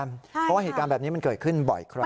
เพราะว่าเหตุการณ์แบบนี้มันเกิดขึ้นบ่อยครั้ง